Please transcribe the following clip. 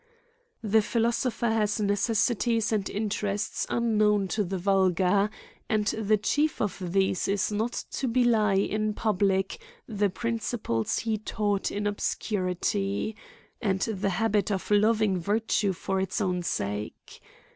The philosopher has necessities and interests CRIMES AND PUNISHMENTS. 155 unknown to the vulgar, and the chief of these is not to belie in public the principles he taught in obscurity, and the' habit of loving virtue for its own sake.